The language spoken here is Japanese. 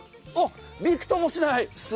びくともしない。